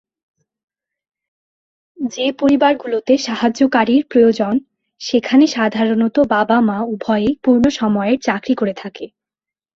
যে-পরিবারগুলোতে সাহায্যকারীর প্রয়োজন, সেখানে সাধারণত বাবা-মা উভয়েই পূর্ণসময়ের চাকরি করে থাকে।